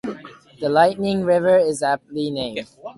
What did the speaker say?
The "lightning river" is aptly named.